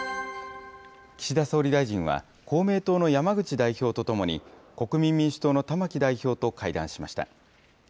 岸田総理大臣は、公明党の山口代表と共に、国民民主党の玉木代表と会談しました。